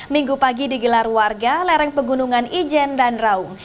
minggu pagi digelar warga lereng pegunungan ijen dan raung